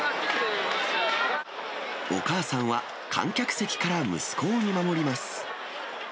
お母さんは観客席から息子を見守ります。